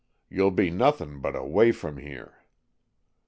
"You'll be nothin' but away from here."